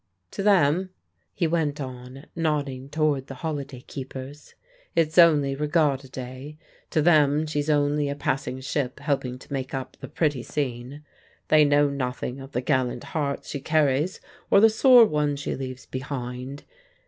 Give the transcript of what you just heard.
"To them," he went on, nodding toward the holiday keepers, "it's only regatta day. To them she's only a passing ship helping to make up the pretty scene. They know nothing of the gallant hearts she carries or the sore ones she leaves behind.